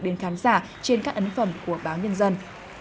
đến khán giả trên các ấn phẩm của báo nhân dân